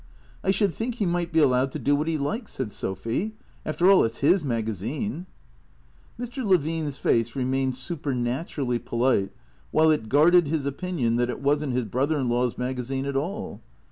" I should think he might be allowed to do what he likes," said Sophy. "After all, it's his magazine." Mr. Levine's face remained supernaturally polite while it guarded his opinion that it was n't his brother in law's maga zine at all.